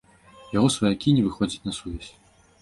Яго сваякі не выходзяць на сувязь.